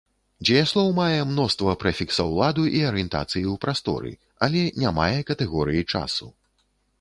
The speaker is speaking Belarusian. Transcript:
Дзеяслоў мае мноства прэфіксаў ладу і арыентацыі ў прасторы, але не мае катэгорыі часу.